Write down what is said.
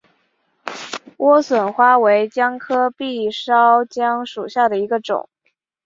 莴笋花为姜科闭鞘姜属下的一个种。